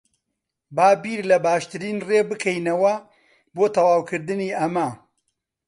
با بیر لە باشترین ڕێ بکەینەوە بۆ تەواوکردنی ئەمە.